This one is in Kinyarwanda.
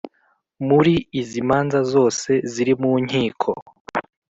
Muri izi manza zose ziri mu nkiko